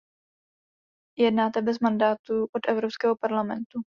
Jednáte bez mandátu od Evropského parlamentu.